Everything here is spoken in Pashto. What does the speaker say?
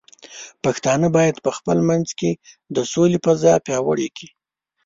پښتانه بايد په خپل منځ کې د سولې فضاء پیاوړې کړي.